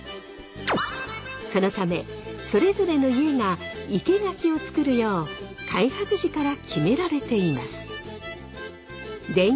そのためそれぞれの家が生け垣を作るよう開発時から決められています。